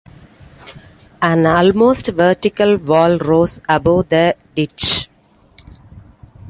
An almost vertical wall rose above the ditch.